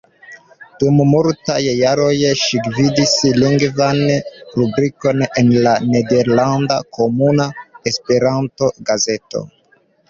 Dum multaj jaroj ŝi gvidis lingvan rubrikon en la nederlanda Komuna Esperanto-gazeto.